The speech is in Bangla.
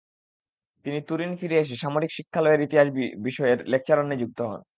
তিনি তুরিন ফিরে এসে সামরিক শিক্ষালয়ের ইতিহাস বিষয়ের লেকচারার নিযুক্ত হন।